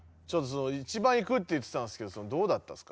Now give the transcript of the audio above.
一番行くって言ってたんですけどどうだったんですか？